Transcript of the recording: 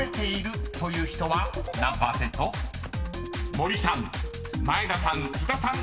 ［森さん前田さん津田さん